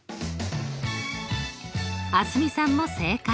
蒼澄さんも正解。